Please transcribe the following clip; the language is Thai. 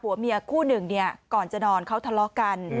หัวเมียคู่หนึ่งก่อนจะนอนเขาทะเลาะกัน